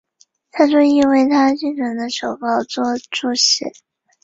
萨松亦为他幸存的手稿作注释。